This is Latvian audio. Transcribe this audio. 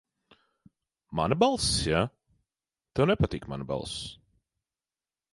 Mana balss, ja? Tev nepatīk mana balss.